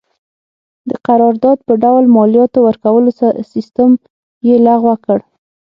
د قرارداد په ډول مالیاتو ورکولو سیستم یې لغوه کړ.